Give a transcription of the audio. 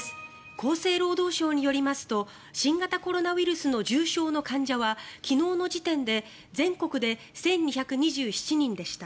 厚生労働省によりますと新型コロナウイルスの重症の患者は昨日の時点で全国で１２２７人でした。